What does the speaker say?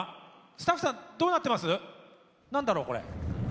スタッフさん、どうなってます？